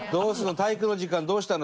体育の時間どうしたの？